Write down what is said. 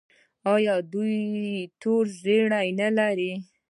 ایا تور زیړی لرئ؟